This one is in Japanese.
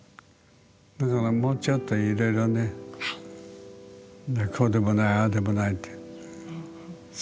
だからもうちょっといろいろねこうでもないああでもないって。